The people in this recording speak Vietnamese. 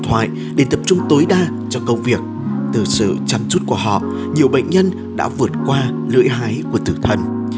những sự chăm chút của họ nhiều bệnh nhân đã vượt qua lưỡi hái của tử thần